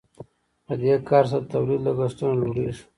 په دې کار سره د تولید لګښتونه لوړیږي.